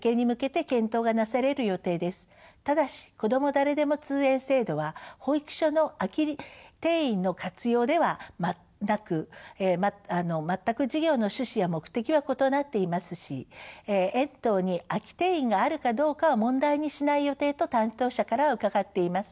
ただしこども誰でも通園制度は保育所の空き定員の活用ではなく全く事業の主旨や目的は異なっていますし園等に空き定員があるかどうかは問題にしない予定と担当者からは伺っています。